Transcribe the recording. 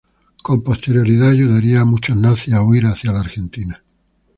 Con posterioridad ayudaría a muchos nazis a huir hacia la Argentina.